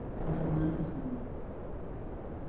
La setmana passada.